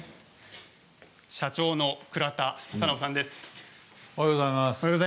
社長の倉田さんです。